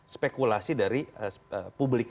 spekulasi dari publik